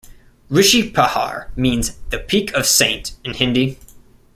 Rishi Pahar means 'The Peak of Saint' in Hindi.